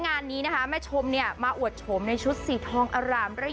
งานนี้แม่ชมมาอวดโฉมในชุดสีทองอาราม